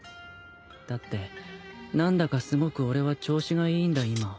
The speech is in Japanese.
だって何だかすごく俺は調子がいいんだ今。